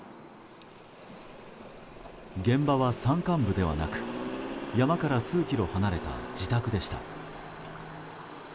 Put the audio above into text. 現場は山間部ではなく山から数キロ離れた自宅でした。